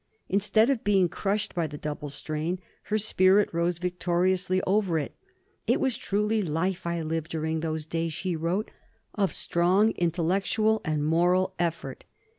Instead of being crushed by the double strain, her spirit rose victorious over it. "It was truly life I lived during those days," she wrote, "of strong, intellectual, and moral effort."